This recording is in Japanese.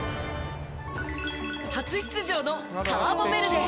初出場のカーボベルデ。